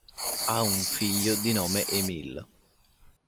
Ha un figlio di nome Émile.